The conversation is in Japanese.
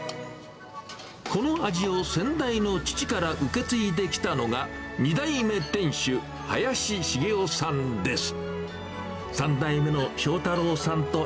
この味を先代の父から受け継いできたのが、２代目店主、林茂夫さんです。